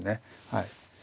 はい。